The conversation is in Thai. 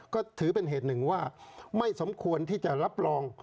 ก็ถือเป็นเหตุหนึ่งว่าไม่สมควรที่จะรับรอง